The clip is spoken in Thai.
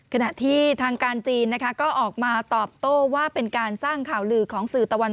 ขณะที่ทางการจีนนะคะก็ออกมาตอบโต้ว่าเป็นการสร้างข่าวลือของสื่อตะวัน